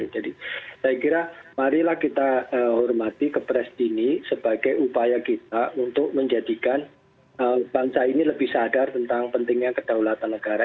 jadi saya kira marilah kita hormati kepres ini sebagai upaya kita untuk menjadikan bangsa ini lebih sadar tentang pentingnya kedaulatan negara